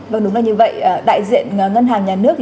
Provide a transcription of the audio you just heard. vâng đúng là như vậy đại diện ngân hàng nhà nước